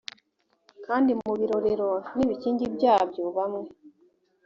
kandi mu birorero n ibikingi byabyo bamwe